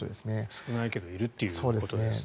少ないけどいるということですね。